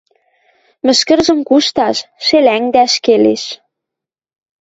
Мӹшкӹржӹм кушташ, шелӓнгдӓш келеш...